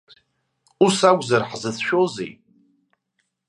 Ус акәзар, ҳзыцәшәозеи?!